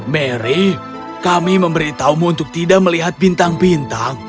mary kami memberitahumu untuk tidak melihat bintang bintang